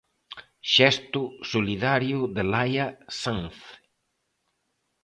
Xesto solidario de Laia Sanz.